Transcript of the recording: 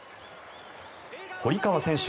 堀川選手